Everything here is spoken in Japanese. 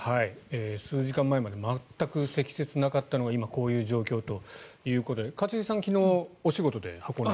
数時間前まで全く積雪がなかったのが今、こういう状況ということで一茂さん、昨日お仕事で箱根へ。